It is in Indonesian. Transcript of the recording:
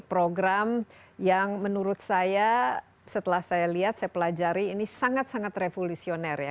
program yang menurut saya setelah saya lihat saya pelajari ini sangat sangat revolusioner ya